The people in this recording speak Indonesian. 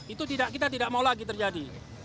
itu kita tidak mau lagi terjadi